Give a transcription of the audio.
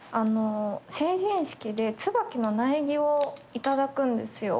成人式でつばきの苗木を頂くんですよ。